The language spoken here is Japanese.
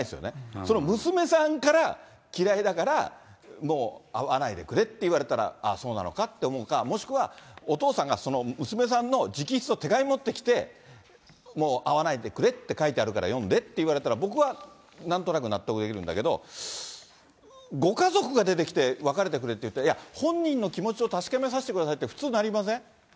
その娘さんから嫌いだから、もう会わないでくれって言われたら、ああ、そうなのかって思うか、もしくはお父さんがその娘さんの直筆の手紙持ってきて、もう会わないでくれって書いてあるから読んでって言われたら、僕はなんとなく納得できるんだけど、ご家族が出てきて、別れてくれって言ったら、いや、本人の気持ちを確かめさせてくださいって普通なりません？